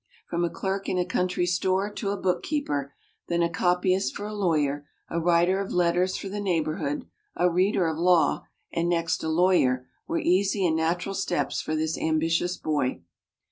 From a clerk in a country store to a bookkeeper, then a copyist for a lawyer, a writer of letters for the neighborhood, a reader of law, and next a lawyer, were easy and natural steps for this ambitious boy.